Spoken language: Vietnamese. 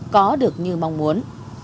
có được như mong muốn